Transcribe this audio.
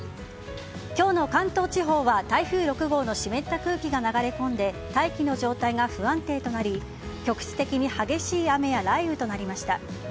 今日の関東地方は台風６号の湿った空気が流れ込んで大気の状態が不安定となり局地的に激しい雨や雷雨となりました。